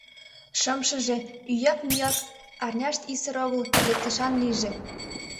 — Шымшыже — ӱяк-мӱяк арняшт исыр огыл, лектышан лийже!